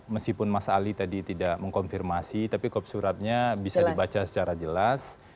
meskipun mas ali tadi tidak mengkonfirmasi tapi kopsuratnya bisa dibaca secara jelas